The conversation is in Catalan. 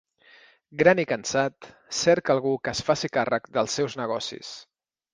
Gran i cansat, cerca algú que es faci càrrec dels seus negocis.